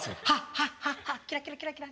ハッハッハッキラキラキラキラン。